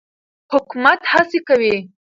حکومت هڅې کوي.